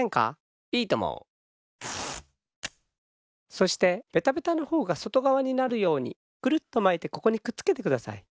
そしてベタベタのほうがそとがわになるようにくるっとまいてここにくっつけてください。